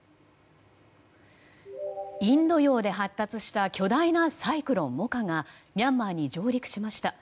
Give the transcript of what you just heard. インド洋で発達した巨大なサイクロン・モカがミャンマーに上陸しました。